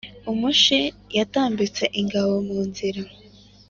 umushi yatambitse ingabo mu nzira